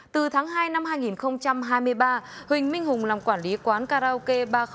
từ tháng hai năm hai nghìn hai mươi ba huỳnh minh hùng làm quản lý quán karaoke ba trăm linh một